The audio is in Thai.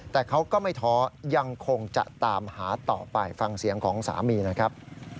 แต่เขาก็ไม่ท้อยังคงจะตามหาต่อไปฟังเสียงของสามีนะครับ